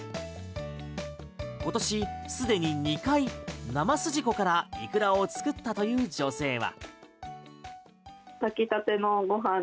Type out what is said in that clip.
今年すでに２回、生すじこからイクラを作ったという女性は。